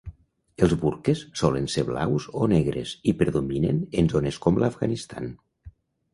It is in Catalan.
Els burques solen ser blaus o negres i predominen en zones com l'Afganistan.